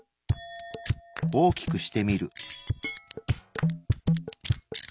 大きくしてみる。